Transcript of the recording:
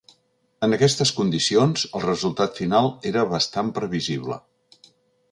En aquestes condicions, el resultat final era bastant previsible.